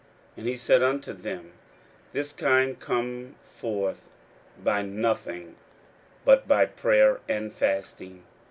41:009:029 And he said unto them, This kind can come forth by nothing, but by prayer and fasting.